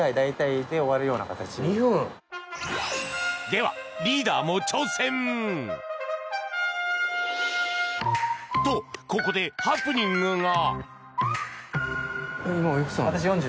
では、リーダーも挑戦！と、ここでハプニングが。